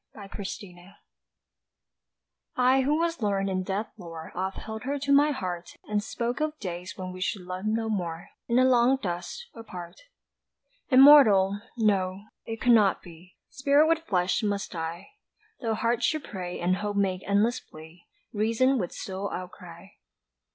TRANSCENDED I who was learnèd in death's lore Oft held her to my heart And spoke of days when we should love no more In the long dust, apart. "Immortal?" No it could not be, Spirit with flesh must die. Tho' heart should pray and hope make endless plea, Reason would still outcry.